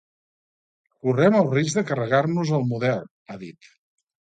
“Correm el risc de carregar-nos el model”, ha dit.